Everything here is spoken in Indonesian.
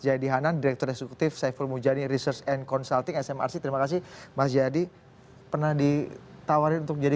alhamdulillah jangan sampai